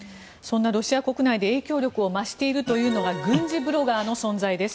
ロシア国内で影響力を増しているというのが軍事ブロガーの存在です。